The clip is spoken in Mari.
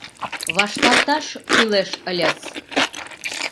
Вашталташ кӱлеш ыльыс!